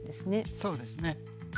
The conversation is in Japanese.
そうですね。